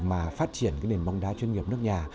mà phát triển cái nền bóng đá chuyên nghiệp nước nhà